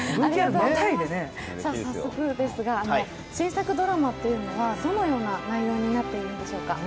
早速ですが、新作ドラマはどのような内容になっているんでしょうか？